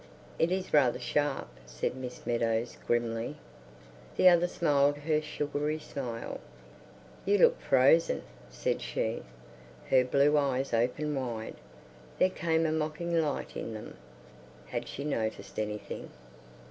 "It is rather sharp," said Miss Meadows, grimly. The other smiled her sugary smile. "You look fro zen," said she. Her blue eyes opened wide; there came a mocking light in them. (Had she noticed anything?)